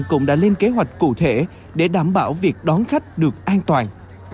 và hội an cũng đã lên kế hoạch cụ thể để đảm bảo việc đón khách được an toàn